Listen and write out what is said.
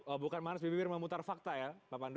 oh bukan maris bibir memutar fakta ya pak pandu